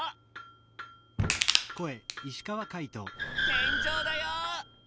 天井だよ！